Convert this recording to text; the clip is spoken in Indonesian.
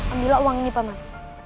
ambillah uang ini paman